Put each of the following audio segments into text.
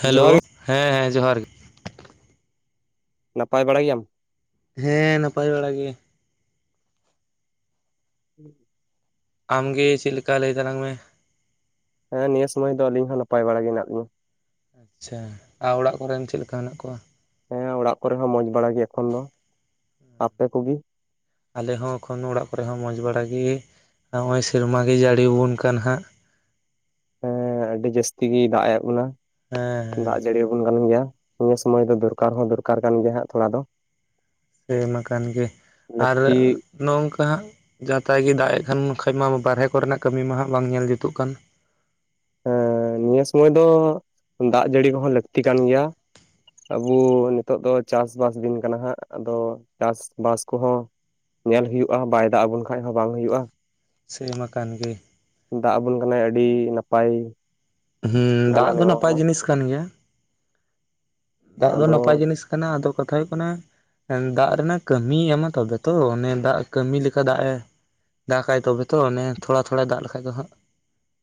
Hello, ᱡᱚᱦᱟᱨ ᱜᱮ ᱦᱮᱸ ᱦᱮᱸ ᱡᱚᱦᱟᱨ ᱜᱮ᱾ ᱱᱟᱯᱟᱭ ᱵᱟᱲᱟ ᱜᱮᱭᱟᱢ? ᱦᱮᱸ, ᱱᱟᱯᱟᱭ ᱵᱟᱲᱟ ᱜᱮᱭᱟ. ᱧ᱾ [unintelligible] ᱟᱢ ᱜᱮ ᱪᱤᱫ ᱞᱮᱠᱟ ᱞᱟᱹᱭ ᱛᱟᱞᱟᱝ ᱢᱮ? ᱦᱮᱸ ᱱᱤᱭᱟᱹ ᱥᱚᱢᱚᱭ ᱫᱚ ᱟᱞᱤᱧ ᱦᱚᱸ ᱱᱟᱯᱟᱭ ᱵᱟᱲᱟ ᱜᱮ ᱢᱮᱱᱟᱜ ᱞᱤᱧᱟ᱾ ᱟᱪᱪᱷᱟ, ᱟᱨ ᱚᱲᱟᱜ ᱠᱚᱨᱮᱱ ᱪᱮᱫ ᱞᱮᱠᱟ ᱦᱮᱱᱟᱜ ᱠᱚᱣᱟ? ᱦᱮᱸ ᱚᱲᱟᱜ ᱠᱚᱨᱮ ᱦᱚᱸ ᱢᱚᱸᱡᱽ ᱵᱟᱲᱟ ᱜᱮ ᱮᱠᱷᱚᱱ ᱫᱚ, ᱟᱯᱮ ᱠᱩᱜᱤ? ᱟᱞᱮ ᱦᱚᱸ ᱮᱠᱷᱚᱱ ᱚᱲᱟᱜ ᱠᱚᱨᱮ ᱦᱚᱸ ᱢᱚᱡᱽ ᱵᱟᱲᱟ ᱜᱮ, ᱱᱚᱜᱼᱚᱭ ᱥᱮᱨᱢᱟ ᱜᱮ ᱡᱟᱹᱲᱤ ᱟᱵᱚᱱ ᱠᱟᱱ ᱦᱟᱸᱜ᱾ ᱦᱮᱸ ᱟᱹᱰᱤ ᱡᱟᱹᱟᱥᱛᱤ ᱜᱮ ᱫᱟᱜ ᱮᱫ ᱵᱚᱱᱟ ᱦᱮᱸ ᱦᱮᱸ ᱫᱟᱜ ᱡᱟᱹᱲᱤᱵᱚᱱ ᱠᱟᱱ ᱜᱮᱭᱟ᱾ ᱱᱤᱭᱟᱹ ᱥᱚᱢᱚᱭ ᱫᱚ ᱫᱚᱨᱠᱟᱨ ᱦᱚᱸ ᱫᱚᱨᱠᱟᱨ ᱠᱟᱱ ᱜᱮᱭᱟ ᱦᱟᱸᱜ ᱛᱷᱚᱲᱟ ᱫᱚ᱾ ᱮᱢ ᱟᱠᱟᱱ ᱜᱮ ᱟᱨ ᱞᱟᱹᱠᱛᱤ ᱱᱚᱝᱠᱟ ᱦᱟᱸᱜ ᱡᱟ ᱛᱟᱭ ᱜᱮ ᱫᱟᱜ ᱮ ᱠᱷᱟᱱ ᱠᱷᱟᱡ ᱢᱟ ᱵᱟᱨᱦᱮ ᱠᱚᱨᱮᱱᱟᱜ ᱠᱟᱹᱢᱤ ᱢᱟ ᱦᱟᱸᱜ ᱵᱟᱝ ᱧᱮᱞ ᱡᱩᱛᱩᱜ ᱠᱟᱱ᱾ ᱦᱮᱸ ᱱᱤᱭᱟᱹ ᱥᱩᱢᱚᱭ ᱫᱚ ᱫᱟᱜ ᱡᱟᱹᱲᱤ ᱠᱚᱦᱚᱸ ᱞᱟᱹᱠᱛᱤ ᱠᱟᱱ ᱜᱮᱭᱟ᱾ ᱟᱵᱚ ᱱᱤᱛᱚᱜ ᱫᱚ ᱪᱟᱥ ᱵᱟᱥ ᱫᱤᱱ ᱠᱟᱱᱟ ᱦᱟᱸᱜ ᱟᱫᱚ ᱪᱟᱥ ᱵᱟᱥ ᱠᱚᱦᱚᱸ᱾ ᱧᱮᱞ ᱦᱩᱭᱩᱜᱼᱟ ᱵᱟᱭ ᱫᱟᱜ ᱟᱵᱚᱱ ᱠᱷᱟᱡ ᱦᱚᱸ ᱵᱟᱝ ᱦᱩᱭᱩᱜᱼᱟ᱾ ᱥᱮᱢ ᱟᱠᱟᱱ ᱜᱮ᱾ ᱫᱟᱜ ᱟᱵᱚᱱ ᱠᱟᱱᱟᱭ ᱟᱹᱰᱤ ᱱᱟᱯᱟᱭ᱾ ᱦᱮᱸ ᱜᱟᱱᱟ ᱫᱟᱜ ᱫᱚ ᱱᱚᱣᱟ ᱱᱟᱯᱟᱭ ᱦᱚᱸ ᱡᱤᱱᱤᱥ ᱠᱟᱱ ᱜᱮᱭᱟ᱾ ᱫᱟᱜ ᱫᱚ ᱟᱫᱚ ᱱᱟᱯᱟᱭ ᱡᱤᱱᱤᱥ ᱠᱟᱱᱟ ᱟᱫᱚ ᱠᱟᱛᱷᱟ ᱦᱩᱭᱩᱜ ᱠᱟᱱᱟ᱾ ᱫᱟᱜ ᱨᱮᱱᱟᱜ ᱠᱟᱹᱢᱤᱭ ᱮᱢᱟ ᱛᱚᱵᱮ ᱛᱚ ᱚᱱᱮ ᱫᱟᱜ ᱠᱟᱹᱢᱤ ᱞᱮᱠᱟ ᱫᱟᱜ ᱮ ᱫᱟᱜᱟᱭ ᱛᱚᱵᱮ ᱛᱚ ᱚᱱᱮ ᱛᱷᱚᱲᱟ ᱛᱷᱚᱲᱟᱭ ᱫᱟᱜ ᱞᱮᱠᱷᱟᱡ ᱫᱚ ᱦᱟᱸᱜ᱾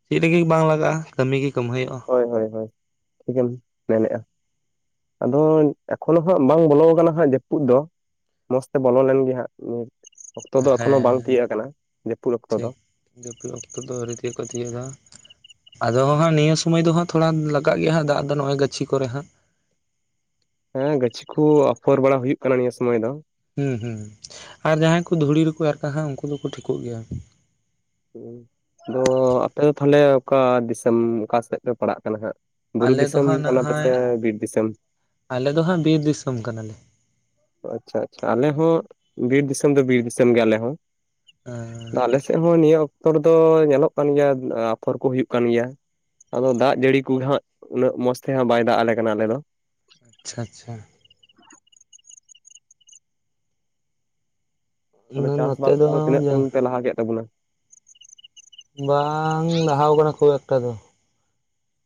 ᱪᱮᱫ ᱞᱤᱹᱜᱤᱫ ᱵᱟᱝ ᱞᱟᱜᱟᱜᱼᱟ ᱠᱟᱹᱢᱤ ᱜᱮ ᱠᱟᱹᱢᱟᱹᱦᱟᱹᱭᱚᱜᱼᱟ᱾ ᱦᱳᱭ ᱦᱳᱭ ᱦᱳᱭ ᱴᱷᱤᱠᱮᱢ ᱢᱮᱱᱮᱜᱼᱟ᱾ ᱟᱫᱚ ᱮᱠᱷᱚᱱ ᱦᱚᱸ ᱦᱟᱸᱜ ᱵᱟᱝ ᱵᱚᱞᱚ ᱟᱠᱟᱱᱟ ᱦᱟᱸᱜ ᱡᱟᱹᱯᱩᱫ ᱫᱚ᱾ ᱢᱚᱸᱡᱽ ᱛᱮ ᱵᱚᱞᱚ ᱞᱮᱱ ᱜᱮ ᱦᱟᱸᱜ ᱚᱠᱛᱚ ᱫᱚ ᱮᱠᱷᱚᱱᱚ ᱵᱟᱝ ᱛᱤᱭᱟᱹᱜ ᱟᱠᱟᱱᱟ ᱡᱟᱹᱯᱩᱫ ᱚᱠᱛᱚ ᱫᱚ᱾ ᱡᱟᱯᱩᱫ ᱚᱠᱛᱚ ᱫᱚ ᱟᱹᱣᱨᱤ ᱛᱤᱭᱚᱜᱚᱜ-ᱟ ᱛᱤᱭᱚᱜ ᱫᱚ᱾ ᱟᱫᱚ ᱵᱟᱠᱷᱟᱱ ᱱᱤᱭᱟᱹ ᱥᱚᱢᱚᱭ ᱫᱚ ᱦᱟᱸᱜ ᱛᱷᱚᱲᱟ ᱞᱟᱜᱟᱜ ᱜᱮᱭᱟ ᱦᱟᱸᱜ ᱫᱟᱜ ᱫᱚ ᱱᱚᱜᱼᱚᱭ ᱜᱪᱷᱤ ᱠᱚᱨᱮ ᱦᱟᱸᱜ᱾ ᱦᱮᱸ ᱜᱟᱪᱷᱤ ᱠᱩ ᱟᱯᱷᱚᱨ ᱵᱟᱲᱟ ᱦᱩᱭᱩᱜ ᱠᱟᱱᱟ ᱱᱤᱭᱟᱹ ᱥᱩᱢᱚᱭ ᱫᱚ᱾ ᱦᱩᱸ ᱦᱩᱸ ᱟᱨ ᱡᱟᱦᱟᱸᱭ ᱠᱚ ᱫᱷᱩᱲᱤ ᱨᱮᱠᱚ ᱮᱨ ᱠᱟᱜ-ᱟ ᱩᱱᱠᱩ ᱫᱚᱠᱚ ᱴᱷᱤᱠᱚᱜ ᱜᱮᱭᱟ᱾ ᱟᱫᱚ ᱟᱯᱮ ᱫᱚ ᱛᱟᱦᱚᱞᱮ ᱚᱠᱟ ᱫᱤᱥᱚᱢ ᱚᱠᱟ ᱥᱮᱫ ᱯᱮ ᱯᱟᱲᱟᱜ ᱠᱟᱱᱟ ᱦᱟᱸᱜ? ᱵᱩᱨᱩ ᱟᱞᱮ ᱫᱚ ᱫᱤᱥᱚᱢ ᱦᱟᱸᱜ ᱠᱟᱱᱟ ᱯᱮᱥᱮ ᱱᱟᱜᱼᱦᱟᱭ ᱵᱤᱨ ᱫᱤᱥᱚᱢ? ᱟᱞᱮ ᱫᱚ ᱦᱟᱸᱜ ᱵᱤᱨ ᱫᱤᱥᱚᱢ ᱠᱟᱱᱟᱞᱮ᱾ ᱟᱪᱪᱷᱟ ᱟᱪᱪᱷᱟ ᱟᱞᱮ ᱦᱚᱸ ᱵᱤᱨ ᱫᱤᱥᱚᱢ ᱫᱚ ᱵᱤᱨ ᱫᱤᱥᱚᱢ ᱜᱮ ᱟᱞᱮ ᱦᱚᱸ ᱛᱚ ᱟᱪᱪᱷᱟ ᱟᱞᱮ ᱥᱮᱜ ᱦᱚᱸ ᱱᱤᱭᱟᱹ ᱚᱠᱛᱚ ᱨᱮᱫᱚ ᱧᱮᱞᱚᱜ ᱠᱟᱱ ᱜᱮᱭᱟ ᱟᱯᱷᱚᱨ ᱠᱚ ᱦᱩᱭᱩᱜ ᱠᱟᱱ ᱜᱮᱭᱟ᱾ ᱟᱫᱚ ᱫᱟᱜ ᱡᱟᱹᱲᱤ ᱠᱚᱜᱮ ᱦᱟᱸᱜ ᱩᱱᱟᱹᱜ ᱢᱚᱸᱡᱽ ᱛᱮ ᱦᱟᱸᱜ ᱵᱟᱭ ᱫᱟᱜ ᱟᱞᱮ ᱠᱟᱱᱟ ᱟᱞᱮ ᱫᱚ᱾ ᱟᱪᱪᱷᱟ ᱟᱪᱪᱷᱟ᱾ ᱟᱫᱚ ᱪᱟᱥ ᱱᱚᱛᱮ ᱵᱟᱥ ᱫᱚ ᱠᱚᱫᱚ ᱛᱤᱱᱟᱹᱜ ᱥᱟᱺᱜᱤ ᱯᱮ ᱞᱟᱦᱟ ᱠᱮᱫ ᱛᱟᱵᱚᱱᱟ? ᱵᱟᱝ ᱞᱟᱦᱟᱣ ᱟᱠᱟᱱᱟ ᱠᱷᱩᱵ ᱮᱠᱴᱟ ᱫᱚ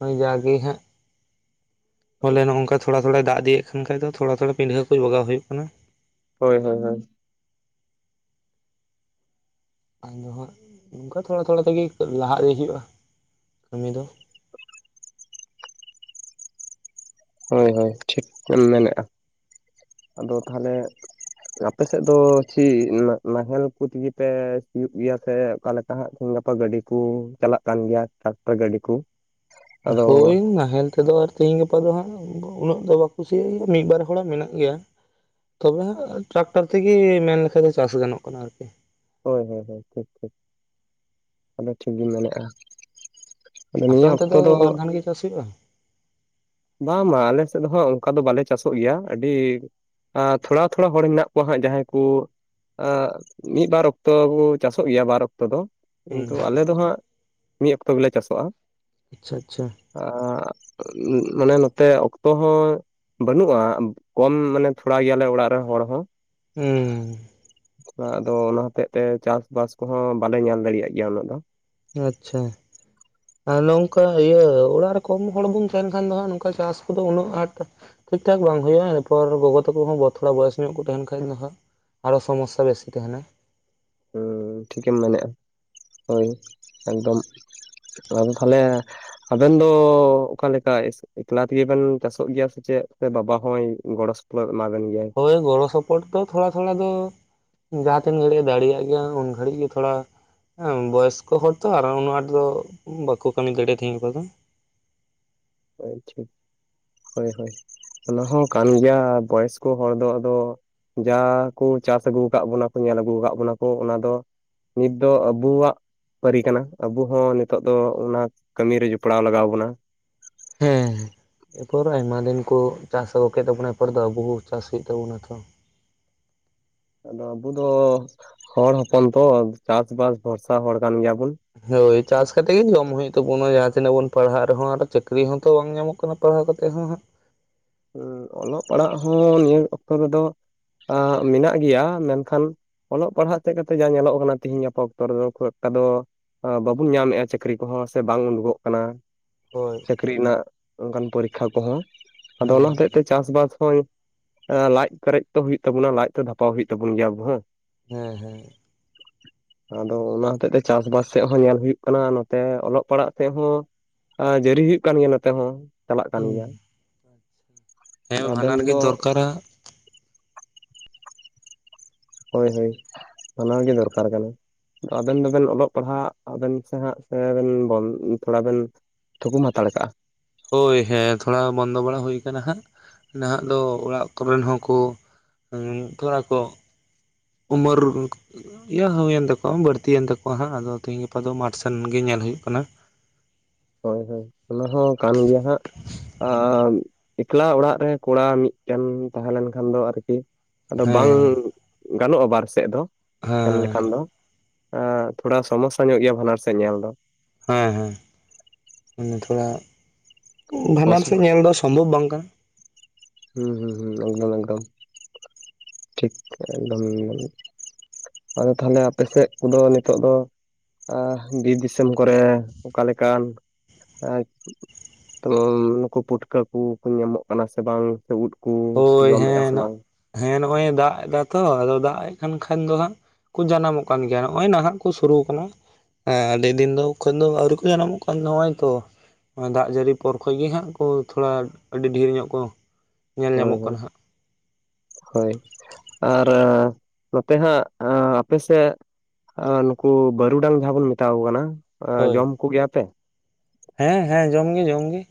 ᱳᱭ ᱡᱟ ᱜᱮ ᱦᱟᱸᱜ᱾ ᱵᱚᱞᱮ ᱱᱚᱝᱠᱟ ᱛᱷᱚᱲ ᱛᱷᱚᱲ ᱫᱟᱜ ᱤᱫᱤᱭᱮᱜ ᱠᱷᱟᱱ ᱠᱷᱟᱡ ᱫᱚ ᱛᱷᱚᱲᱟ ᱛᱷᱚᱲᱟ ᱯᱤᱰᱷᱟᱹ ᱠᱚ ᱠᱟᱹᱡ ᱵᱟᱜᱟᱣ ᱦᱩᱭᱩᱜ ᱠᱟᱱᱟ᱾ ᱦᱳᱭ ᱦᱳᱭ ᱦᱳᱭ᱾ ᱟᱫᱚ ᱦᱟᱸᱜ ᱱᱚᱝᱠᱟ ᱛᱷᱚᱲᱟ ᱛᱷᱚᱲᱟ ᱛᱮᱜᱮ ᱞᱟᱦᱟ ᱤᱫᱤ ᱦᱩᱭᱩᱜᱼᱟ ᱠᱟᱹᱢᱤ ᱫᱚ᱾ ᱦᱳᱭ ᱦᱳᱭ ᱴᱷᱤᱠ ᱮᱢ ᱢᱮᱱᱮᱜᱼᱟ ᱟᱫᱚ ᱛᱟᱦᱚᱞᱮ᱾ ᱟᱯᱮ ᱥᱮᱫ ᱫᱚ ᱪᱤᱫ ᱱᱟ ᱱᱟᱦᱮᱞ ᱠᱚ ᱛᱮᱜᱮ ᱯᱮ ᱥᱤᱭᱳᱜ ᱜᱮᱭᱟ ᱥᱮ ᱚᱠᱟᱞᱮᱠᱟ? ᱱᱟᱦᱟᱜ ᱜᱟᱯᱟ ᱜᱟᱹᱰᱤ ᱠᱩ ᱪᱟᱞᱟᱜ ᱠᱟᱱ ᱜᱮᱭᱟ ᱴᱨᱟᱠᱴᱟᱨ ᱜᱟᱹᱰᱤ ᱠᱚ᱾ ᱟᱫᱚ ᱦᱳᱭ ᱱᱟᱦᱮᱞ ᱛᱮᱫᱚ ᱟᱨ ᱛᱮᱦᱤᱧ ᱜᱟᱯᱟ ᱫᱚ ᱦᱟᱸᱜ ᱩᱱᱟᱹᱜ ᱫᱚ ᱵᱟ ᱠᱚ ᱥᱤᱭᱟ ᱢᱤᱫ ᱵᱟᱨ ᱦᱚᱲᱟᱜ ᱢᱮᱱᱟᱜ ᱜᱮᱭᱟ, ᱛᱚᱵᱮ ᱦᱟᱸᱜ ᱴᱨᱟᱠᱴᱟᱨ ᱛᱮᱜᱮ ᱢᱮᱱ ᱞᱮᱠᱟᱱᱡ ᱫᱚ ᱪᱟᱥ ᱜᱟᱱᱚᱜ ᱠᱟᱱᱟ ᱟᱨᱠᱤ᱾ ᱦᱳᱭ ᱦᱳᱭ ᱦᱳᱭ ᱴᱷᱤᱠ ᱴᱷᱤᱠ ᱟᱫᱚ ᱴᱷᱤᱠ ᱜᱮᱢ ᱢᱮᱱᱮᱫᱼᱟ᱾ ᱟᱫᱚ ᱟᱯᱮ ᱱᱤᱭᱟᱹ ᱚᱱᱛᱮ ᱚᱠᱛᱚ ᱫᱚ ᱵᱟᱨᱫᱷᱱ ᱜᱮ ᱪᱟᱥ ᱦᱩᱭᱩᱜᱼᱟ? ᱵᱟᱝ ᱵᱟᱝ ᱟᱞᱮ ᱥᱮᱫ ᱫᱚ ᱦᱟᱸᱜ ᱚᱱᱠᱟ ᱫᱚ ᱵᱟᱞᱮ ᱪᱟᱥᱚᱜ ᱜᱮᱭᱟ ᱟᱹᱰᱤ ᱟᱸ ᱛᱷᱚᱲᱟ ᱛᱷᱚᱲᱟ ᱦᱚᱲ ᱢᱮᱱᱟᱜ ᱠᱚᱣᱟ ᱦᱟᱸᱜ ᱡᱟᱦᱟᱸᱭ ᱠᱚ ᱟᱸ ᱢᱤᱫ ᱵᱟᱨ ᱚᱠᱛᱚ ᱦᱚᱸ ᱪᱟᱥᱚᱜ ᱜᱮᱭᱟ ᱵᱟᱨ ᱚᱠᱛᱚ ᱫᱚ ᱦᱩᱸ ᱠᱤᱱᱛᱩ ᱟᱞᱮ ᱫᱚ ᱦᱟᱸᱜ ᱢᱤᱫ ᱚᱠᱛᱚ ᱜᱮᱞᱮ ᱪᱟᱥᱚᱜᱼᱟ᱾ ᱟᱪᱪᱷᱟ ᱟᱪᱪᱷᱟ᱾ ᱟᱸ ᱩᱸ ᱢᱟᱱᱮ ᱱᱚᱛᱮ ᱚᱠᱛᱚ ᱦᱚᱸ ᱵᱟᱹᱱᱩᱜᱼᱟ ᱠᱚᱢ ᱢᱟᱱᱮ ᱛᱷᱚᱲᱟ ᱜᱮᱭᱟᱞᱮ ᱚᱲᱟᱜ ᱨᱮᱱ ᱦᱚᱲ ᱦᱚᱸ᱾ ᱦᱩᱸ ᱦᱩᱸ ᱛᱷᱚᱲᱟ ᱟᱫᱚ ᱚᱱᱟ ᱦᱚᱛᱮᱜ ᱛᱮ ᱪᱟᱥᱵᱟᱥ ᱠᱚᱦᱚᱸ ᱵᱟᱞᱮ ᱧᱮᱞ ᱫᱟᱲᱤᱭᱟᱜ ᱜᱮᱭᱟ ᱩᱱᱟᱹᱜ ᱫᱚ᱾ ᱟᱪᱪᱷᱟ᱾ ᱟᱨ ᱱᱚᱝᱠᱟ ᱦᱩᱭᱩᱜ-ᱟ ᱚᱲᱟᱜ ᱨᱮ ᱠᱚᱢ ᱦᱚᱲ ᱵᱚᱱ ᱛᱟᱦᱮᱱ ᱠᱷᱟᱱ ᱫᱚ ᱦᱟᱸᱜ ᱱᱚᱝᱠᱟ ᱪᱟᱥ ᱠᱚᱫᱚ ᱩᱱᱟᱹᱜ ᱟᱸᱴ ᱴᱷᱤᱠ ᱴᱷᱟᱠ ᱵᱟᱝ ᱦᱩᱭᱩᱜᱼᱟ ᱤᱱᱟᱹᱯᱚᱨ ᱜᱚᱜᱚ ᱛᱟᱠᱚ ᱦᱚᱸ ᱛᱷᱚᱲᱟ ᱵᱚᱭᱚᱥ ᱧᱚᱜ ᱠᱚ ᱛᱟᱦᱮᱱ ᱠᱷᱟᱡ ᱫᱚ ᱦᱟᱸᱜ᱾ ᱟᱨᱦᱚ ᱥᱚᱢᱚᱥᱥᱟ ᱵᱮᱥᱤ ᱛᱟᱦᱮᱱᱟ᱾ ᱦᱩᱸ ᱴᱷᱤᱠᱮᱢ ᱢᱮᱱᱮᱫᱼᱟ ᱦᱳᱭ ᱮᱠᱫᱚᱢ ᱟᱫᱚ ᱛᱟᱦᱚᱞᱮ ᱟᱵᱮᱱ ᱫᱚ ᱚᱠᱟᱞᱮᱠᱟ ᱮᱠᱞᱟ ᱛᱮᱜᱮ ᱵᱮᱱ ᱪᱟᱥᱚᱜ ᱜᱤᱭᱟ ᱥᱮ ᱪᱮᱫ, ᱥᱮ ᱵᱟᱵᱟ ᱦᱚᱸᱭ ᱜᱚᱲᱚ ᱥᱚᱯᱚᱦᱚᱫ ᱮᱢᱟ ᱵᱮᱱ ᱜᱮᱭᱟᱭ᱾ ᱦᱳᱭ ᱜᱚᱲᱚ ᱥᱚᱯᱚᱦᱚᱫ ᱫᱚ ᱛᱷᱚᱲᱟ ᱛᱷᱚᱲᱟ ᱫᱚ᱾ ᱡᱟᱦᱟᱸᱟ ᱛᱤᱱ ᱜᱷᱟᱹᱲᱤᱡ ᱫᱟᱲᱮᱭᱟᱜ ᱜᱮᱭᱟ ᱩᱱ ᱜᱷᱟᱹᱲᱤᱡ ᱜᱮ ᱛᱷᱚᱲᱟ ᱦᱮᱸ ᱵᱚᱭᱚᱥᱠᱚ ᱦᱚᱲ ᱛᱚ ᱟᱨ ᱩᱱᱟᱹᱜ ᱟᱸᱴ ᱫᱚ ᱵᱟᱠᱚ ᱠᱟᱹᱢᱤ ᱫᱟᱲᱮᱭᱟᱜ ᱛᱟᱦᱮᱸ ᱫᱚ᱾ [unintelligible] ᱦᱳᱭ ᱦᱳᱭ᱾ ᱚᱱᱟ ᱦᱚᱸ ᱠᱟᱱ ᱜᱮᱭᱟ᱾ ᱵᱚᱭᱚᱥᱠᱚ ᱦᱚᱲ ᱫᱚ ᱟᱫᱚ ᱡᱟ ᱠᱩ ᱪᱟᱥ ᱟᱹᱜᱩ ᱠᱟᱜ ᱵᱚᱱᱟ ᱠᱩ ᱧᱮᱞ ᱟᱹᱜᱩ ᱟᱠᱟᱫ ᱵᱚᱱᱟ ᱠᱚ ᱚᱱᱟ ᱫᱚ ᱱᱤᱛ ᱫᱚ ᱟᱵᱳᱣᱟᱜ ᱯᱟᱨᱤ ᱠᱟᱱᱟ, ᱟᱵᱩ ᱦᱚᱸ ᱱᱤᱛᱚᱜ ᱫᱚ ᱚᱱᱟ ᱠᱟᱹᱢᱤᱤᱨ ᱨᱮ ᱡᱚᱯᱲᱟᱣ ᱞᱟᱜᱟᱣ ᱵᱩᱱᱟ ᱦᱮᱸᱸ [unintelligible] ᱟᱭᱢᱟ ᱫᱤᱱ ᱠᱩ ᱪᱟᱥ ᱟᱹᱜᱩ ᱠᱮᱫ ᱛᱟᱵᱚᱱᱟ ᱮᱨᱯᱚᱨ ᱫᱚ ᱟᱵᱚ ᱪᱟᱥ ᱦᱩᱭᱩᱜ ᱛᱟᱵᱚᱱᱟ ᱛᱚ ᱟᱫᱚ ᱟᱵᱚ ᱫᱚ ᱦᱚᱲ ᱦᱚᱯᱚᱱ ᱛᱚ, ᱪᱟᱥ ᱵᱟᱥ ᱵᱷᱚᱨᱥᱟ ᱦᱚᱲ ᱠᱟᱱ ᱜᱮᱭᱟᱵᱩᱱ᱾ ᱦᱳᱭ ᱪᱟᱥ ᱠᱟᱛᱮ ᱜᱮ ᱡᱚᱢ ᱦᱩᱭᱩᱜ ᱛᱟᱵᱚᱱᱟ, ᱡᱟᱦᱟᱸ ᱛᱤᱱᱟᱹᱜ ᱵᱚᱱ ᱯᱟᱲᱦᱟᱜ ᱨᱮᱦᱚᱸ ᱟᱨ ᱪᱟᱹᱠᱨᱤ ᱦᱚᱸᱛᱚ ᱵᱟᱝ ᱧᱟᱢᱚᱜ ᱠᱟᱱᱟ ᱯᱟᱲᱦᱟᱣ ᱠᱟᱛᱮ ᱮᱫ ᱦᱚᱸ ᱦᱟᱸᱜ ᱦᱩᱸ ᱚᱞᱚᱜ ᱯᱟᱲᱦᱟᱜ ᱦᱚᱸ ᱱᱤᱭᱟᱹ ᱚᱠᱛᱚ ᱨᱮᱫᱚ ᱢᱤᱱᱟᱜ ᱜᱮᱭᱟ ᱢᱮᱱᱠᱷᱟᱱ ᱚᱞᱚᱜ ᱯᱟᱲᱦᱟᱜ ᱛᱮᱫ ᱠᱟᱛᱮ ᱡᱟ ᱧᱮᱞᱚᱜ ᱠᱟᱱᱟ ᱛᱤᱦᱤᱧ ᱜᱟᱯᱟ ᱚᱠᱛᱚ ᱨᱮᱫᱚ ᱠᱷᱩᱵ ᱮᱠᱴᱟ ᱫᱚ ᱵᱟᱵᱩᱱ ᱧᱟᱢᱮᱫᱼᱟ ᱪᱟᱹᱠᱨᱤ ᱠᱚᱦᱚᱸ ᱥᱮ ᱵᱟᱝ ᱩᱰᱩᱠᱚᱜ ᱠᱟᱱᱟ ᱦᱳᱭ ᱪᱟᱹᱠᱨᱤ ᱱᱟᱜ ᱚᱱᱠᱟᱱ ᱯᱚᱨᱤᱠᱷᱟ ᱠᱚᱦᱚᱸ᱾ ᱟᱫᱚ ᱚᱱᱟ ᱦᱮᱸ ᱦᱚᱛᱮᱡ ᱛᱮ ᱪᱟᱥ ᱵᱟᱥ ᱦᱳᱸᱭ ᱞᱟᱡ ᱯᱨᱮᱡ ᱛᱚ ᱦᱩᱭᱩᱜ ᱛᱟᱵᱚᱱᱟ ᱞᱟᱡ ᱛᱚ ᱫᱷᱟᱟᱣ ᱦᱩᱭᱩᱜ ᱛᱟᱵᱚᱱ ᱜᱮᱭᱟᱵ ᱦᱮᱸ᱾ ᱦᱮᱸ ᱦᱮᱸ᱾ ᱟᱫᱚ ᱚᱱᱟ ᱦᱚᱛᱮᱜ ᱛᱮ ᱪᱟᱥᱵᱟᱥ ᱥᱮᱜ ᱦᱚᱸ ᱧᱮᱞ ᱦᱩᱭᱩᱜ ᱠᱟᱱᱟ᱾ ᱱᱚᱛᱮ ᱚᱞᱚᱜ ᱯᱟᱲᱦᱟᱜ ᱥᱮᱜ ᱦᱚᱸ ᱟᱨ ᱡᱟᱨᱤ ᱦᱩᱭᱩᱜ ᱠᱟᱱ ᱜᱮᱭᱟ ᱱᱚᱛᱮ ᱦᱚᱸ, ᱪᱟᱞᱟᱜ ᱠᱟᱱ ᱜᱮᱭᱟ ᱦᱮᱸ ᱟᱫᱚ ᱟᱵᱮᱱ ᱵᱷᱟᱱᱟᱨ ᱜᱮ ᱫᱚ ᱫᱚᱨᱠᱟᱨᱟ᱾ ᱦᱳᱭ ᱦᱳᱭ ᱚᱱᱟ ᱜᱮ ᱫᱚᱨᱠᱟᱨ ᱠᱟᱱᱟ᱾ ᱟᱵᱮᱱ ᱫᱚᱵᱮᱱ ᱚᱞᱚᱜ ᱯᱟᱲᱦᱟᱜ ᱟᱵᱮᱱ ᱥᱮ ᱦᱟᱸ ᱛᱷᱚᱲᱟ ᱵᱮᱱ ᱛᱷᱩᱠᱩᱢ ᱦᱟᱛᱟᱲ ᱠᱟᱜᱼᱟ᱾ ᱦᱳᱭ ᱦᱮᱸ ᱛᱷᱚᱲᱟ ᱵᱚᱱᱫᱚ ᱵᱟᱲᱟ ᱦᱩᱭ ᱠᱟᱱᱟ᱾ ᱦᱟᱸᱜ ᱱᱟᱦᱟᱜ ᱫᱚ ᱚᱲᱟᱜ ᱠᱚᱨᱮᱱ ᱦᱚᱸᱠᱚ [unintelligible] ᱩᱢᱟᱨ ᱤᱭᱟᱹ ᱦᱩᱭᱮᱱ ᱛᱟᱠᱚᱣᱟ ᱵᱟᱹᱲᱛᱤᱭᱮᱱ ᱛᱟᱠᱚᱣᱟ ᱦᱟᱸᱜ, ᱟᱫᱚ ᱛᱤᱦᱤᱧ ᱜᱟᱯᱟ ᱫᱚ ᱢᱟᱴᱷ ᱥᱮᱱ ᱜᱮ ᱧᱮᱞ ᱦᱩᱭᱩᱜ ᱠᱟᱱᱟ᱾ ᱦᱳᱭ ᱦᱳᱭ ᱚᱱᱟ ᱦᱚᱸ ᱠᱟᱱ ᱜᱮᱭᱟ ᱦᱟᱸᱜ ᱟᱸ ᱮᱠᱞᱟ ᱚᱲᱟᱜ ᱨᱮ ᱠᱚᱲᱟ ᱢᱤᱫᱴᱮᱱ ᱛᱟᱦᱮᱸ ᱞᱮᱱᱠᱷᱟᱱ ᱫᱚ ᱟᱨᱠᱤ ᱟᱫᱚ ᱵᱟᱝ ᱦᱮᱸ ᱜᱟᱱᱚᱜᱼᱟ᱾ ᱵᱟᱨ ᱥᱮᱫ ᱫᱚ ᱢᱮᱱ ᱦᱮᱸ ᱞᱮᱠᱷᱟᱱ ᱫᱚ ᱛᱷᱚᱲᱟ ᱥᱚᱢᱚᱥᱥᱟ ᱧᱚᱜ ᱜᱮᱭᱟ ᱵᱟᱱᱟᱨ ᱥᱮᱫ ᱧᱮᱞ ᱫᱚ᱾ ᱦᱮᱸ ᱦᱮᱸ ᱮᱜᱸ ᱛᱷᱚᱲᱟ ᱵᱷᱟᱰᱨ ᱚᱥᱩᱵᱤ ᱥᱮᱫ ᱧᱮᱞ ᱫᱚ ᱥᱚᱢᱵᱷᱚᱵ ᱵᱟᱝ ᱠᱟᱱᱟ᱾ ᱦᱩᱸ ᱦᱩᱸ ᱦᱩᱸ ᱮᱠᱫᱚᱢ ᱮᱠᱫᱚᱢ ᱴᱷᱤᱠ ᱮᱠᱫᱚᱢ ᱟᱫᱚ ᱛᱟᱦᱚᱞᱮ ᱟᱯᱮ ᱥᱮᱫ ᱠᱩᱫᱚ ᱱᱤᱛᱳᱜ ᱫᱚ᱾ ᱟᱻᱵᱤᱨ ᱫᱤᱥᱚᱢ ᱠᱚᱨᱮ ᱚᱠᱟ ᱞᱮᱠᱟᱱ [unintelligible] ᱱᱩᱠᱩ ᱯᱩᱴᱠᱟᱹ ᱠᱚᱠᱚ ᱧᱟᱢᱚᱜ ᱠᱟᱱᱟ ᱥᱮ ᱵᱟᱝ ᱥᱮ ᱩᱫ ᱠᱚ ᱦᱳᱭ ᱡᱚᱢᱮᱫᱼᱟ ᱥᱮ ᱦᱮᱸᱱᱚ ᱵᱟᱝ ᱦᱮᱸ ᱱᱚᱜᱼᱚᱭ ᱫᱟᱜ ᱮᱫᱟ ᱛᱚ ᱟᱫᱚ ᱫᱟᱜ ᱮᱫ ᱠᱟᱱ ᱠᱷᱟᱱ ᱫᱚ ᱦᱟᱸᱜ ᱠᱩ ᱡᱟᱱᱟᱢᱚᱜ ᱠᱟᱱ ᱜᱮᱭᱟ, ᱱᱚᱜᱼᱚᱭ ᱱᱟᱦᱟᱜ ᱠᱚ ᱥᱩᱨᱩ ᱠᱟᱱᱟ᱾ ᱦᱮ [unintelligible] ᱞᱮᱫᱤᱱ ᱫᱚ ᱠᱷᱚᱱ ᱫᱚ ᱟᱹᱣᱨᱤ ᱠᱚ ᱡᱟᱱᱟᱢᱚᱜ ᱠᱟᱱ [unintelligible] ᱫᱟᱜ ᱡᱟᱹᱲᱤ ᱯᱚᱨ ᱠᱷᱚᱡ ᱜᱮ ᱦᱟᱜ ᱠᱚ ᱛᱷᱚᱲᱟ ᱟᱹᱰᱤ ᱰᱷᱮᱨ ᱧᱚᱜ ᱠᱚ ᱧᱮᱞ ᱦᱳᱭ ᱧᱟᱢᱚᱜ ᱠᱟᱱᱟ ᱦᱳᱭ ᱦᱟᱸᱜ ᱦᱳᱭ᱾ ᱟᱨ ᱱᱚᱛᱮ ᱦᱟᱸᱜ ᱟᱯᱮ ᱥᱮᱫ ᱱᱩᱠᱩ ᱵᱟᱹᱨᱩᱰᱟᱝ ᱡᱟᱦᱟᱸ ᱵᱚᱱ ᱢᱮᱛᱟ ᱠᱚ ᱠᱟᱱᱟ ᱦᱳᱭ ᱡᱚᱢ ᱠᱚᱜᱮᱭᱟ ᱯᱮ? ᱦᱮᱸ ᱦᱮᱸ ᱡᱚᱢᱜᱮ ᱡᱚᱢ ᱜᱮ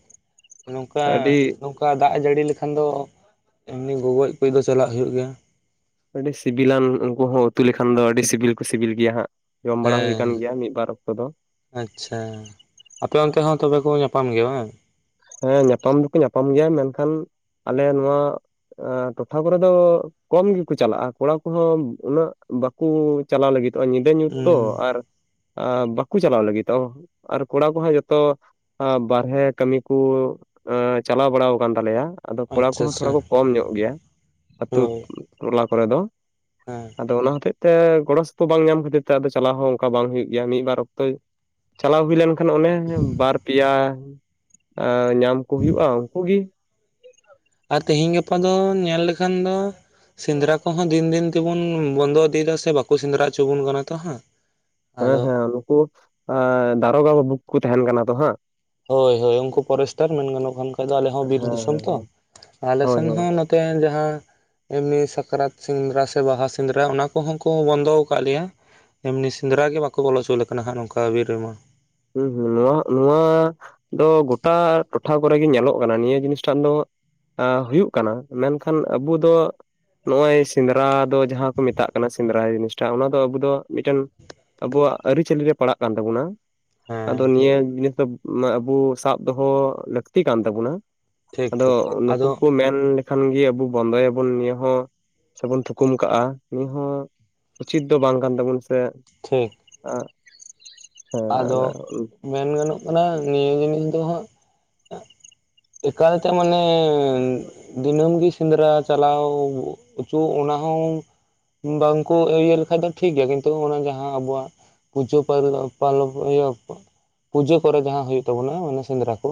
ᱱᱚᱝᱠᱟ ᱟᱹᱰᱤ ᱚᱱᱠᱟ ᱫᱟᱜ ᱮ ᱡᱟᱹᱲᱤ ᱞᱮᱠᱷᱟᱱ ᱫᱚ ᱮᱢᱱᱤ ᱜᱚᱜᱚᱡ ᱠᱚᱡ ᱫᱚ ᱪᱟᱞᱟᱜ ᱦ ᱦᱩᱭᱩᱜ ᱜᱮᱭᱟ᱾ ᱟᱹᱰᱤ ᱥᱤᱵᱤᱤᱞᱟᱱ ᱩᱱᱠᱩ ᱦᱚᱸ ᱩᱛᱩ ᱞᱮᱠᱷᱟᱱ ᱫᱚ ᱟᱹᱰᱤ ᱥᱤᱵᱤᱞ ᱠᱚ ᱥᱤᱵᱤᱞ ᱜᱮᱭᱟ ᱦᱟᱸᱜ᱾ ᱡᱚᱢ ᱵᱟᱲᱟ ᱦᱩᱭ ᱟᱠᱟᱱ ᱦᱮᱸ ᱜᱮᱭᱟ ᱢᱤᱫ ᱵᱟᱨ ᱚᱠᱛᱚ ᱫᱚ᱾ ᱟᱪᱪᱷᱟ ᱟᱯᱮ ᱚᱱᱛᱮ ᱦᱚᱸ ᱛᱚᱵᱮ ᱠᱚ ᱧᱟᱯᱟᱢ ᱜᱮᱭᱟ ᱵᱟᱝ? ᱦᱮᱸ ᱧᱟᱯᱟᱢ ᱫᱚᱠᱚ ᱧᱟᱯᱟᱢ ᱜᱮᱭᱟ ᱢᱮᱱᱠᱷᱟᱱ ᱟᱞᱮ ᱱᱚᱶᱟ ᱴᱚᱴᱷᱟ ᱠᱚᱨᱮ ᱫᱚ ᱠᱚᱢ ᱜᱮᱠᱚ ᱪᱟᱞᱟᱜᱼᱟ ᱠᱚᱲᱟ ᱠᱚᱦᱚᱸ ᱩᱱᱟᱹᱜ ᱵᱟᱠᱚ ᱪᱟᱞᱟᱣ ᱞᱟᱹᱜᱤᱫᱚᱜᱼᱟ ᱧᱤᱫᱟᱹ᱾ ᱧᱤᱫᱟᱹ ᱧᱩᱛᱚ ᱛᱚ ᱦᱩᱸ ᱟᱨ ᱮᱸ ᱵᱟᱠᱚ ᱪᱟᱞᱟᱣ ᱞᱟᱹᱜᱤᱫᱚᱜ ᱟᱨ ᱠᱚᱲᱟ ᱠᱚ ᱦᱟᱜ ᱡᱚᱛᱚ ᱵᱟᱨᱦᱨᱮ ᱠᱟᱹᱢᱤ ᱠᱩ ᱪᱟᱞᱟᱣ ᱵᱟᱲᱟ ᱟᱠᱟᱱ ᱛᱟᱞᱮᱭᱟ᱾ ᱟᱫᱚ ᱠᱚᱲᱟ ᱟᱪᱪᱷᱟ ᱠᱚᱦᱚᱸ ᱛᱷᱚᱲᱟ ᱟᱪᱪᱷᱟ ᱠᱚ ᱠᱚᱢ ᱧᱚᱜ ᱜᱮᱭᱟ ᱟᱹᱛᱩ ᱦᱳᱭ ᱴᱚᱞᱟ ᱠᱚᱨᱮᱫᱚ᱾ ᱦᱮᱸ᱾ ᱟᱫᱚ ᱚᱱᱟ ᱦᱚᱛᱮᱡ ᱛᱮ ᱜᱚᱲᱚ ᱥᱚᱯᱚᱦ ᱵᱟᱝ ᱧᱟᱢ ᱠᱷᱟᱛᱤᱨ ᱛᱮ ᱟᱫᱚ ᱪᱟᱞᱟᱣ ᱦᱚᱸ ᱚᱱᱠᱟ ᱵᱟᱝ ᱦ ᱦᱩᱭᱩᱜ ᱜᱮᱭᱟ ᱢᱤᱫᱵᱟᱨ ᱚᱠᱛᱚᱭ᱾ ᱪᱟᱞᱟᱣ ᱦᱩᱭ ᱞᱮᱱᱠᱷᱟᱱ ᱚᱱᱮ ᱵᱟᱨ ᱯᱮᱭᱟ ᱧᱟᱢᱠᱩ ᱦᱩᱭᱩᱜᱼᱟ ᱩᱱᱠᱩᱩᱜᱤ᱾ ᱟᱨ ᱛᱮᱤᱦᱤᱧ ᱜᱟᱯᱟ ᱫᱚ ᱧᱮᱞ ᱞᱮᱠᱷᱟᱱ ᱫᱚ᱾ ᱥᱮᱸᱫᱽᱨᱟ ᱠᱚᱦᱚᱸ ᱫᱤᱱ ᱫᱤᱱ ᱛᱮᱵᱚᱱ ᱵᱚᱱᱫᱚ ᱤᱫᱤᱭᱮᱫᱟ ᱥᱮ ᱵᱟᱠᱚ ᱥᱮᱸᱫᱽᱨᱟ ᱦᱚᱪᱚ ᱵᱚᱱ ᱠᱟᱱᱟ ᱛᱚ ᱦᱟᱸ᱾ ᱦᱮᱸ ᱦᱮᱸ ᱱᱩᱠᱩ ᱫᱟᱨᱚᱜᱟ ᱵᱟᱵᱩ ᱠᱚᱠᱚ ᱛᱟᱦᱮᱱ ᱠᱟᱱᱟ ᱛᱚ ᱦᱟᱜ᱾ ᱦᱳᱭ ᱦᱳᱭ ᱩᱱᱠᱩ ᱯᱷᱚᱨᱮᱥᱴᱟᱨ ᱢᱮᱱ ᱜᱟᱱᱚᱜ ᱠᱟᱱ ᱠᱷᱟᱡ ᱫᱚ ᱟᱞᱮ ᱦᱚᱸ ᱵᱤᱨ ᱦᱮᱸ ᱫᱤᱥᱚᱢ ᱦᱮᱸ ᱛᱚ ᱦᱮᱸ ᱟᱞᱮ ᱦᱳᱭ ᱥᱮᱱ ᱦᱳᱭ ᱦᱚᱸ ᱛᱮ ᱡᱟᱦᱟᱸ ᱮᱢᱱᱤ ᱥᱟᱠᱨᱟᱛ ᱥᱮᱸᱫᱽᱨᱟ ᱥᱮ ᱵᱟᱦᱟ ᱥᱮᱸᱫᱽᱨᱟ ᱚᱱᱟ ᱠᱚᱦᱚᱸ ᱠᱚ ᱵᱚᱱᱫᱚ ᱟᱠᱟᱫ ᱞᱮᱭᱟ᱾ ᱮᱢᱱᱤ ᱥᱮᱸᱫᱽᱨᱟ ᱜᱮ ᱵᱟᱠᱚ ᱵᱚᱞᱚ ᱚᱪᱚ ᱞᱮᱠ ᱠᱟᱱᱟ ᱦᱟᱸᱜ ᱱᱚᱝᱠᱟ ᱵᱤᱨ ᱨᱮᱢᱟ᱾ ᱦᱩᱸ ᱦᱩᱸ ᱱᱚᱣᱟ ᱱᱚᱣᱟ ᱫᱚ ᱜᱚᱴᱟ ᱴᱚᱴᱷᱟ ᱠᱚᱨᱮᱜᱮ ᱧᱮᱞᱚᱜ ᱠᱟᱱᱟ ᱱᱤᱭᱟᱹ ᱡᱤᱱᱤᱥᱴᱷ ᱫᱚ ᱟᱜ ᱦᱩᱭᱩᱜ ᱠᱟᱱᱟ ᱢᱮᱱᱠᱷᱟᱱ ᱟᱵᱚ ᱫᱚ ᱱᱚᱜᱼᱚᱭ ᱥᱮᱸᱫᱽᱨᱟ ᱫᱚ ᱡᱟᱦᱟᱸ ᱠᱚ ᱢᱮᱛᱟᱜ ᱠᱟᱱᱟ ᱥᱮᱸᱫᱽᱨᱟ ᱡᱤᱱᱤᱥᱴᱟ ᱚᱱᱟ ᱫᱚ ᱟᱵᱚ ᱫᱚ ᱢᱤᱫᱴᱮᱱ ᱟᱵᱩᱣᱟᱜ ᱟᱹᱨᱤ ᱪᱟᱹᱞᱤ ᱨᱮ ᱯᱟᱲᱟᱜ ᱠᱟᱱ ᱛᱟᱵᱚᱱᱟ᱾ ᱟᱫᱚ ᱦᱮᱸ ᱱᱤᱭᱟᱹ ᱡᱤᱱᱤᱥ ᱫᱚ ᱟᱵᱩ ᱥᱟᱵ ᱫᱚᱦᱚ ᱞᱟᱹᱠᱛᱤ ᱠᱟᱱ ᱛᱟᱵᱚᱱᱟ᱾ ᱴᱷᱤᱠ ᱟᱫᱚ ᱴᱷᱤᱠ ᱱᱩᱠᱩ ᱟᱫᱚ ᱠᱚ ᱢᱮᱱᱞᱠᱷᱟᱱ ᱜᱮ ᱟᱵᱩ ᱵᱚᱱᱫᱚᱭᱟᱵᱚᱱ ᱱᱤᱭᱟᱹ ᱦᱚᱸ᱾ ᱥᱮ ᱵᱚᱱ ᱛᱷᱩᱠᱩᱢ ᱠᱟᱜᱼᱟ ᱱᱤᱭᱟᱹ ᱦᱚᱸ ᱩᱪᱤᱛ ᱫᱚ ᱵᱟᱝ ᱠᱟᱱ ᱛᱟᱵᱚᱱ ᱥᱮ ᱴᱷᱤᱠ᱾ ᱟᱜ᱾ ᱟᱫᱚ ᱢᱮᱱ ᱜᱟᱱᱚᱜ ᱠᱟᱱᱟ ᱱᱤᱭᱟᱹ ᱡᱤᱱᱤᱥ ᱫᱚ ᱦᱟᱸᱜ ᱮᱠᱟᱞ ᱛᱮ ᱢᱟᱱᱮ ᱫᱤᱱᱟᱹᱢᱜᱤ ᱥᱮᱸᱫᱽᱨᱟ ᱪᱟᱞᱟᱣ ᱚᱪᱚ ᱚᱱᱟᱦ ᱵᱟᱝᱠᱩ ᱤᱭᱟᱹ ᱞᱮᱠᱷᱷᱟᱡ ᱫᱚ ᱴᱷᱤᱠᱜᱮᱭᱟ ᱠᱤᱱᱛᱩ ᱚᱱᱟ ᱡᱟᱦᱟᱸ ᱟᱵᱚᱣᱟᱜ ᱯᱩᱡᱟᱹ ᱯᱟᱟᱞᱚᱵ᱾ ᱯᱟᱨᱞᱚᱵ ᱤᱭᱟᱹ ᱯᱩᱡᱟᱹ ᱠᱚᱨᱮ ᱡᱟᱦᱟᱸ ᱦᱩᱭᱩᱜᱜ ᱛᱟᱵᱚᱱᱟ ᱚᱱᱟ ᱥᱮᱸᱫᱽᱨᱟ ᱠᱚ᱾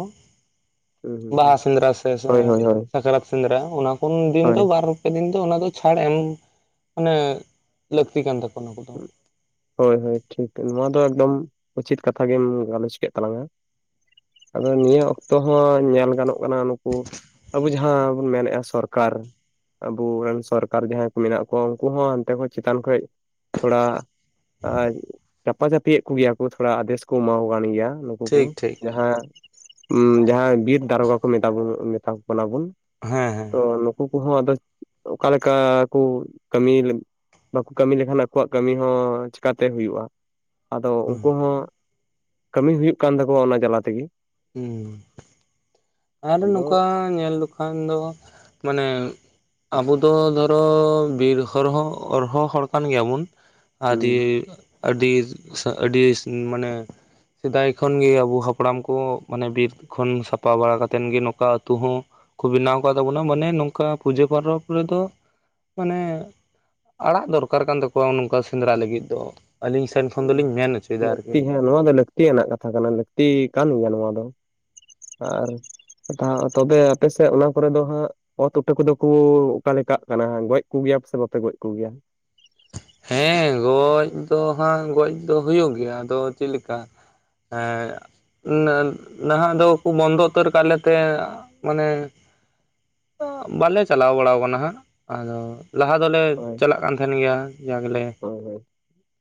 ᱦᱳᱭ ᱵᱟᱦᱟ ᱥᱮᱸᱫᱽᱨᱟ ᱥᱮ ᱦᱳᱭ ᱥᱟᱠᱨᱟᱛ ᱥᱮᱸᱫᱽᱨᱟ ᱚᱱᱟ ᱠᱚ ᱫᱤᱱ ᱫᱚ ᱦᱳᱭ ᱵᱟᱨ ᱯᱮ ᱫᱤᱱ ᱫᱚ ᱚᱱᱟ ᱫᱚ ᱪᱷᱟᱲ ᱮᱢ ᱢᱟᱱᱮ ᱞᱟᱹᱠᱛᱤ ᱠᱟᱱ ᱛᱟᱠᱚᱣᱟ‍᱾ ᱦᱳᱭ ᱦᱳᱭ ᱴᱷᱤᱠ ᱱᱚᱣᱟ ᱫᱚ ᱮᱠᱫᱚᱢ ᱩᱪᱤᱛ ᱠᱟᱛᱷᱟ ᱜᱮᱢ ᱜᱟᱞᱚᱪ ᱠᱮᱫ ᱛᱟᱞᱟᱝᱟ᱾ ᱟᱫᱚ ᱱᱤᱭᱟᱹ ᱚᱠᱛᱚ ᱦᱚᱸ ᱧᱮᱞ ᱜᱟᱱᱚᱜ ᱠᱟᱱᱟ ᱱᱩᱠᱩ ᱟᱵᱚ ᱡᱟᱦᱟᱸ ᱡᱟᱦᱟᱸ ᱵᱚᱱ ᱢᱮᱱᱮᱫᱼᱟ ᱥᱚᱨᱠᱟᱨ᱾ ᱟᱵᱚᱨᱮᱱ ᱥᱚᱨᱠᱟᱨ ᱡᱟᱦᱟᱸᱭ ᱠᱚ ᱢᱮᱱᱟᱜ ᱠᱚᱣᱟ ᱩᱱᱠᱩ ᱦᱚᱸ ᱦᱟᱱᱛᱮ ᱠᱷᱚᱱ ᱪᱮᱛᱟᱱ ᱠᱷᱚᱡ ᱛᱷᱚᱲᱟ ᱪᱟᱯᱟᱪᱟᱯᱤᱭᱮᱫ ᱠᱚᱜᱮᱭᱟ ᱠᱚ ᱛᱷᱚᱲᱟ ᱟᱫᱮᱥ ᱠᱚ ᱮᱢᱟ ᱠᱟᱱ ᱜᱮᱭᱟ ᱩᱱᱠᱩ ᱴᱷᱤᱠ ᱴᱷᱤᱠ ᱡᱟᱦᱟᱸ ᱡᱟᱦᱟᱸ ᱵᱤᱨ ᱫᱟᱨᱜᱟ ᱠᱚ ᱢᱮ ᱢᱮᱛᱟ ᱠᱩ ᱠᱟᱱᱟ ᱵᱚᱱ ᱦᱮᱸ ᱦᱮᱸ ᱛᱳ ᱱᱩᱠᱩ ᱠᱚᱦᱚᱸ ᱟᱫᱚ ᱚᱠᱟᱮ ᱞᱮᱠᱟ ᱠᱩ ᱠᱟᱹᱢᱤ ᱵᱟᱠᱚ ᱠᱟᱹᱢᱤ ᱞᱮᱠᱷᱟᱱ ᱩᱱᱠᱩᱣᱟᱜ ᱠᱟᱹᱢᱤ ᱦᱚᱸ ᱪᱤᱠᱟᱛᱮ ᱦᱩᱭᱩᱜᱼᱟ ᱟᱫᱚ ᱩᱱᱠᱩ ᱦᱚᱸ ᱠᱟᱹᱢᱤ ᱦᱩᱭᱩᱜ ᱠᱟᱱ ᱛᱟᱠᱚᱣᱟ ᱚᱱᱟ ᱡᱟᱞᱟ ᱛᱤᱜᱤ ᱦᱮᱸ ᱟᱨ ᱟᱫᱚ ᱱᱚᱝᱠᱟ ᱧᱮᱞ ᱞᱮᱠᱷᱟᱱ ᱫᱚ ᱢᱟᱱᱮ ᱟᱵᱩ ᱫᱚ ᱫᱷᱚᱨᱚ ᱵᱤᱨ ᱦᱚᱨᱦᱚᱸ ᱦᱚᱨᱦᱚᱸ ᱦᱚᱲ ᱠᱟᱱ ᱜᱮᱭᱟᱵᱩᱱ ᱦᱩᱸ ᱟᱫᱤ ᱟᱹᱰᱤ ᱟᱹᱰᱤ ᱢᱟᱱᱮ ᱥᱮᱫᱟᱭ ᱠᱷᱚᱱ ᱜᱮ ᱟᱵᱚ ᱦᱟᱯᱲᱟᱢ ᱠᱚ ᱢᱟᱱᱮ ᱵᱤᱨ ᱠᱷᱚᱱ ᱥᱟᱯᱷᱟ ᱵᱟᱲᱟ ᱠᱟᱛᱮᱱ ᱜᱮ ᱱᱚᱝᱠᱟ ᱟᱛᱩ ᱦᱚᱸ ᱠᱚ ᱵᱮᱱᱟᱣ ᱠᱟᱫ ᱛᱟᱵᱚᱱᱟ ᱢᱟᱱᱮ ᱱᱚᱝᱠᱟ ᱯᱩᱡᱟᱹ ᱯᱚᱨᱚᱵ ᱨᱮᱫᱚ ᱢᱟᱱᱮ ᱟᱲᱟᱜ ᱫᱚᱨᱠᱟᱨ ᱠᱟᱱ ᱛᱟᱠᱚᱣᱟ ᱱᱚᱝᱠᱟ ᱥᱮᱸᱫᱽᱨᱟ ᱞᱟᱹᱜᱤᱫ ᱫᱚ ᱟᱹᱞᱤᱧ ᱥᱮᱱ ᱠᱷᱚᱱ ᱫᱚᱞᱤᱧ ᱢᱮᱱ ᱦᱚᱪᱚᱭᱮᱫᱟ ᱦᱩᱸ ᱟᱨᱠᱤ ᱞᱟᱹᱠᱛᱤ ᱦᱮᱸ ᱱᱚᱣᱟ ᱫᱚ ᱞᱟᱹᱠᱛᱤᱭᱟᱱᱟᱜ ᱠᱟᱛᱷᱟ ᱠᱟᱱᱟ ᱞᱟᱹᱠᱛᱤ ᱠᱟᱱ ᱜᱮᱭᱟ ᱱᱚᱣᱟ ᱫᱚ᱾ ᱟᱨ ᱛᱚᱵᱮ ᱟᱯᱮ ᱥᱮᱫ ᱚᱱᱟ ᱠᱚᱨᱮ ᱫᱚ ᱦᱟᱸᱜ ᱚᱛ ᱩᱴᱟᱹ ᱠᱚᱫᱚ ᱠᱩ ᱚᱠᱟ ᱞᱮᱠᱟᱜ ᱠᱟᱱᱟ ᱜᱚᱡ ᱠᱚᱜᱮᱭᱟ ᱥᱮ ᱵᱟᱯᱮ ᱜᱚᱡ ᱠᱚᱜᱮᱭᱟ? ᱦᱮᱸ ᱜᱚᱡ ᱫᱚ ᱦᱟᱸᱜ ᱜᱚᱡ ᱫᱚ ᱦᱩᱭᱩᱜ ᱜᱮᱭᱟ ᱟᱫᱚ ᱪᱮᱫ ᱞᱮᱠᱟ ᱮᱸ ᱱᱟᱦᱟᱜ ᱫᱚ ᱠᱩ ᱵᱚᱱᱫᱚ ᱩᱛᱟᱹᱨ ᱠᱟᱜᱞᱮ ᱛᱮ ᱢᱟᱱᱮ ᱵᱟᱞᱮ ᱪᱟᱞᱟᱣ ᱵᱟᱲᱟ ᱠᱟᱱᱟ ᱦᱟᱸᱜ ᱟᱫᱚ ᱞᱟᱦᱟ ᱫᱚᱞᱮ ᱦᱳᱭ ᱪᱟᱞᱟᱜ ᱠᱟᱱ ᱛᱟᱦᱮᱱ ᱜᱮᱭᱟ ᱡᱟ ᱜᱮᱞᱮ ᱦᱳᱭ ᱦᱳᱭ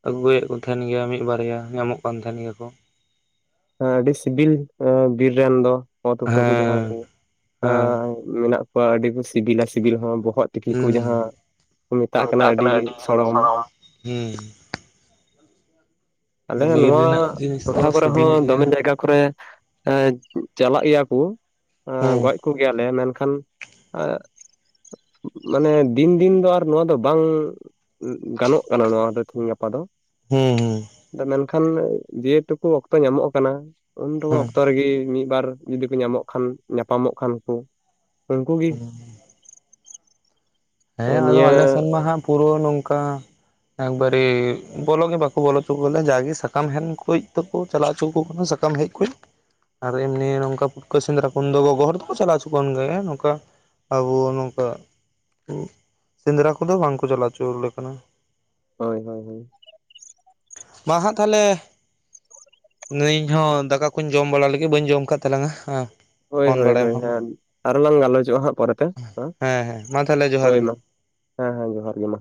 ᱟᱹᱜᱩᱭᱮᱫ ᱠᱩ ᱛᱟᱦᱮᱱ ᱜᱮᱭᱟ ᱢᱤᱫ ᱵᱟᱨᱭᱟ ᱧᱟᱢᱚᱜ ᱠᱟᱱ ᱛᱟᱦᱮᱱ ᱜᱮᱭᱟ ᱠᱚ ᱦᱮᱸ ᱟᱹᱰᱤ ᱥᱤᱵᱤᱞ ᱵᱤᱨ ᱨᱮᱱ ᱫᱚ ᱚᱛ ᱩᱴᱟᱹᱠᱩ ᱡᱟᱦᱟᱸ ᱦᱮᱸ ᱠᱚ ᱦᱮᱸ ᱢᱮᱱᱟᱜ ᱠᱚᱣᱟ ᱟᱹᱰᱤ ᱠᱚ ᱥᱤᱵᱤᱞᱟ ᱥᱤᱵᱤᱞ ᱦᱚᱸ ᱵᱚᱦᱚᱜ ᱛᱤᱠᱤ ᱠᱚ ᱦᱩᱸ ᱡᱟᱦᱟᱸ ᱠᱚ ᱢᱮᱛᱟᱜ ᱠᱟᱱᱟ ᱟᱹᱰᱤ ᱥᱚᱲᱚᱢ ᱦᱩᱸ ᱟᱞᱮ ᱵᱤᱨ ᱱᱚᱣᱟ ᱨᱮᱱᱟᱜ ᱡᱤᱱᱤᱥ ᱴᱚᱴᱷᱟ ᱫᱚ ᱠᱚᱨᱮ ᱥᱤᱵᱤᱞ ᱦᱚᱸ ᱜᱮᱭᱟ ᱫᱚᱢᱮ ᱡᱟᱭᱜᱟ ᱠᱚᱨᱮ ᱪᱟᱞᱟᱜ ᱜᱮᱭᱟ ᱠᱚ ᱦᱩᱸ ᱜᱚᱡ ᱠᱚᱜᱮᱭᱟᱞᱮ ᱢᱮᱱᱠᱷᱟᱱ ᱢᱟᱱᱮ ᱫᱤᱱ ᱫᱤᱱ ᱫᱚ ᱟᱨ ᱱᱚᱣᱟ ᱫᱚ ᱵᱟᱝ ᱜᱟᱱᱚᱜ ᱠᱟᱱᱟ ᱱᱚᱣᱟ ᱫᱚ ᱛᱮᱤᱦᱤᱧ ᱜᱟᱯᱟ ᱫᱚ ᱦᱮᱸ ᱦᱩᱸ ᱢᱮᱱᱠᱷᱟᱱ ᱡᱮᱴᱩᱠᱩ ᱚᱠᱛᱚ ᱧᱟᱢᱚᱜ ᱠᱟᱱᱟ ᱩᱱᱫᱟ ᱦᱩᱸ ᱚᱠᱛᱚ ᱨᱮᱜᱮ ᱢᱤᱫᱵᱟᱨ ᱡᱩᱫᱤ ᱠᱚ ᱧᱟᱢᱚᱜ ᱠᱷᱟᱱ ᱧᱟᱯᱟᱢᱚᱜ ᱠᱷᱟᱱ ᱠᱚ ᱩᱱᱠᱩ ᱜᱤ ᱦᱮᱸ ᱟᱫᱚ ᱱᱤᱭᱟᱹ ᱟᱞᱮ ᱥᱮᱱ ᱢᱟ ᱦᱟᱸᱜ ᱯᱩᱨᱟᱹ ᱱᱚᱝᱠᱟ ᱮᱠᱵᱟᱨᱤ ᱵᱚᱞᱚᱜ ᱜᱮ ᱵᱟᱠᱚ ᱵᱚᱞᱚ ᱦᱚᱪᱚ ᱠᱚᱭᱟ ᱡᱟᱜᱮ ᱥᱟᱠᱟᱢ ᱦᱮᱱ ᱠᱚᱡ ᱛᱮᱠᱚ ᱪᱟᱞᱟᱣ ᱪᱩᱠᱩ ᱠᱟᱱᱟ ᱥᱟᱠᱟᱢ ᱦᱮᱡ ᱟᱨ ᱮᱢᱱᱤ ᱱᱚᱝᱠᱟ ᱯᱷᱩᱴᱠᱟᱹ ᱥᱮᱸᱫᱽᱨᱟ ᱠᱚ ᱫᱚ ᱜᱚᱜᱚ ᱦᱚᱲ ᱫᱚᱠᱚ ᱪᱟᱞᱟᱣᱪᱚ ᱠᱟᱱ ᱜᱮᱭᱟ ᱱᱚᱝᱠᱟ ᱟᱵᱚ ᱱᱚᱝᱠᱟ ᱥᱮᱸᱫᱽᱨᱟ ᱠᱚᱫᱚ ᱵᱟᱝᱠᱚ ᱪᱟᱞᱟᱣ ᱪᱩᱞᱮ ᱠᱟᱱᱟ ᱦᱳᱭ ᱦᱳᱭ ᱦᱳᱭ ᱢᱟ ᱦᱟᱸᱜ ᱛᱟᱦᱚᱞᱮ ᱤᱧ ᱦᱚᱸ ᱫᱟᱠᱟ ᱠᱩᱧ ᱡᱚᱢ ᱵᱟᱲᱟ ᱞᱮᱜᱮ ᱵᱟᱹᱧ ᱡᱚᱢ ᱠᱟᱫ ᱛᱟᱞᱟᱝᱼᱟ ᱦᱳᱭ ᱦᱳᱭ ᱦᱮᱸ ᱟᱨᱦᱚ ᱞᱟᱝ ᱜᱟᱞᱚᱪᱚᱜᱼᱟ ᱦᱜ ᱯᱚᱨᱮᱛᱮ ᱦᱮᱸ ᱦᱮᱸ ᱢᱟ ᱛᱟᱦᱚᱞᱮ ᱡᱚᱦᱟᱨ ᱦᱳᱭ ᱜᱮ ᱢᱟ ᱦᱮᱸ ᱦᱮᱸ ᱡᱚᱦᱟᱨ ᱜᱤ ᱢᱟ